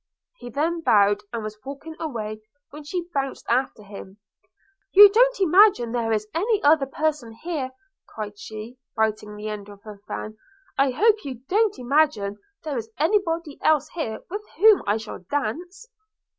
He then bowed, and was walking away, when she bounced after him. 'You don't imagine there is any other person here,' cried she, biting the end of her fan – 'I hope you don't imagine there is any body else here with whom I shall dance!'